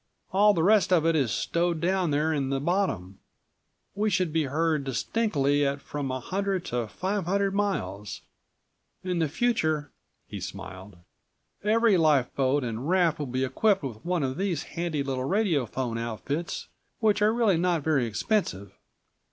All the rest of it is stowed down there in the bottom. We should be heard distinctly at from a hundred to five hundred miles. In the future," he smiled, "every lifeboat and raft will be equipped with one of these handy little radiophone outfits, which are really not very expensive."